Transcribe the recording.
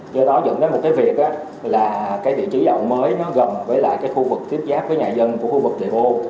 do đó dẫn đến một cái việc là cái vị trí dọn mới nó gần với lại cái khu vực tiếp giáp với nhà dân của khu vực đề bô